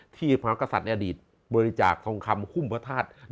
พระกษัตริย์ในอดีตบริจาคทองคำหุ้มพระธาตุ